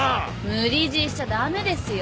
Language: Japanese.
無理強いしちゃ駄目ですよ。